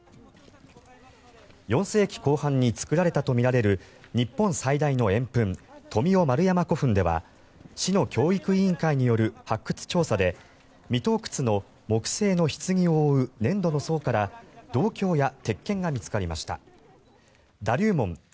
４世紀後半に造られたとみられる日本最大の円墳富雄丸山古墳では市の教育委員会による発掘調査で未盗掘の木製のひつぎを覆う粘土の層から銅鏡や鉄剣が見つかりました。